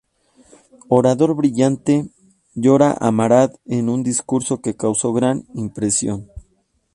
Orador brillante, llora a Marat en un discurso que causó gran impresión.